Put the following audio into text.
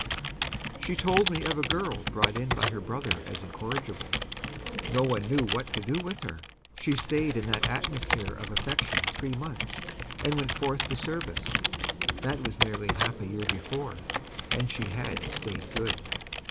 She told me of a girl brought in by her brother as incorrigible. No one knew what to do with her. She stayed in that atmosphere of affection three months, and went forth to service. That was nearly half a year before, and she had "stayed good."